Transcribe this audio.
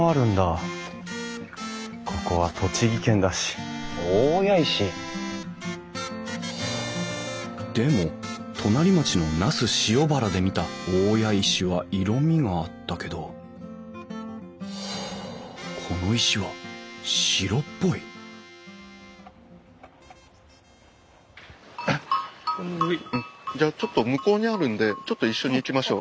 ここは栃木県だし大谷石？でも隣町の那須塩原で見た大谷石は色みがあったけどこの石は白っぽいじゃあちょっと向こうにあるんでちょっと一緒に行きましょう。